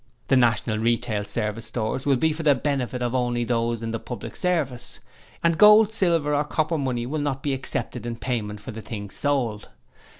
'The National Service Retail Stores will be for the benefit of only those in the public service; and gold, silver or copper money will not be accepted in payment for the things sold.